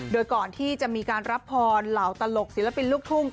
โดยก่อนที่จะมีการรับพรเหล่าตลกศิลปินลูกทุ่ง